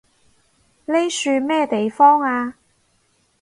呢樹咩地方啊？